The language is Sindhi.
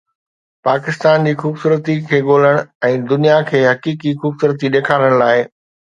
پاڪستان جي خوبصورتي کي ڳولڻ ۽ دنيا کي حقيقي خوبصورتي ڏيکارڻ لاء